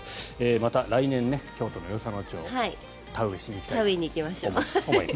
また来年、京都の与謝野町田植えしに行きたいと思います。